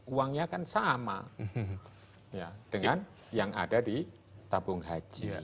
uangnya kan sama dengan yang ada di tabung haji